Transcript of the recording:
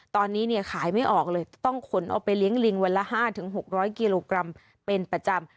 ตอนนี้เนี่ยขายไม่ออกเลยต้องขนเอาไปเลี้ยงลิงวันละ๕๖๐๐กิโลกรัมเป็นประจำ